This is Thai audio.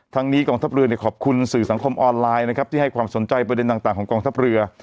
นี้กองทัพเรือขอบคุณสื่อสังคมออนไลน์นะครับที่ให้ความสนใจประเด็นต่างของกองทัพเรือ